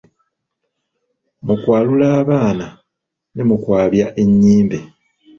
Mu kwalula abaana ne mu kwabya ennyimbe.